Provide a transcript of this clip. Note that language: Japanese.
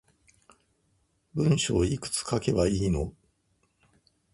文章いくつ書けばいいの